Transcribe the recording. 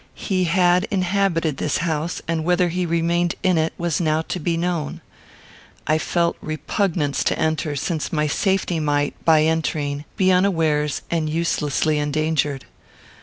He had inhabited this house; and whether he remained in it was now to be known. I felt repugnance to enter, since my safety might, by entering, be unawares and uselessly endangered.